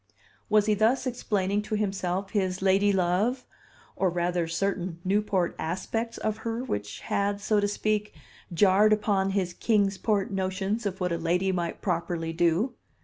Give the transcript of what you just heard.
Was he thus explaining to himself his lady love, or rather certain Newport aspects of her which had, so to speak, jarred upon his Kings Port notions of what a lady might properly do?